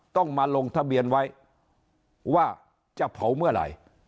ต้องมาลงทะเบียนไว้ว่าจะเผาเมื่อไหร่